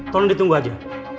tolong ditunggu saja